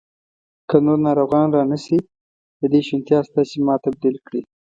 که نور ناروغان را نه شي، د دې شونتیا شته چې ما تبدیل کړي.